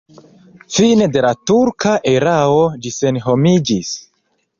Fine de la turka erao ĝi senhomiĝis.